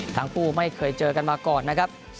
ทั้งคู่ไม่เคยเจอกันมาก่อนนะครับ